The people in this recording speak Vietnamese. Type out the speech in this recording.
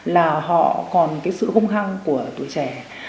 là họ còn sự hung hăng của tuổi trẻ